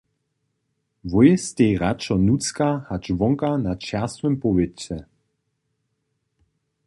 Wój stej radšo nutřka hač wonka na čerstwym powětře.